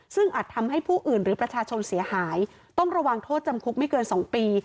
ซึ่งอาจทำให้ผู้อื่นหรือประชาชนเสียหายต้องระวังโทษจำคุกไม่เกิน๒ปี